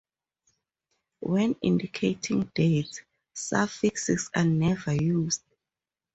When indicating dates, suffixes are never used.